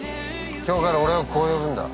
今日から俺をこう呼ぶんだ。